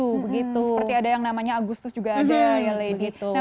seperti ada yang namanya agustus juga ada